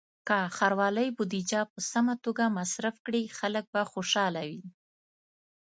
که ښاروالۍ بودیجه په سمه توګه مصرف کړي، خلک به خوشحاله وي.